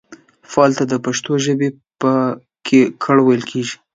فعل ته د پښتو پښويې په ژبه کې کړ ويل کيږي